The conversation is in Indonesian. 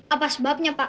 apa sebabnya pak